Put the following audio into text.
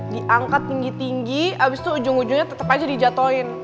diangkat tinggi tinggi abis itu ujung ujungnya tetep aja dijatuhin